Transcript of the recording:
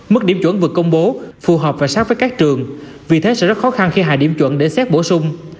mức điểm chuẩn vừa công bố phù hợp và sát với các trường vì thế sẽ rất khó khăn khi hạ điểm chuẩn để xét bổ sung